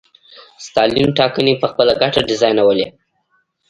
ستالین ټاکنې په خپله ګټه ډیزاینولې.